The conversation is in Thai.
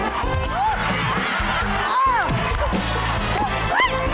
โอ้ยใจเย็น